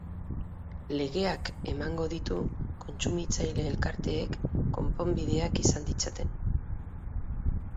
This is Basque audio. Legeak emango ditu kontsumitzaile elkarteek konponbideak izan ditzaten.